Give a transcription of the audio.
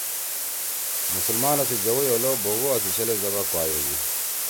مسلمانا سی جوَئی او لؤ بوگوا سی چھلے زبح کُوا یِدی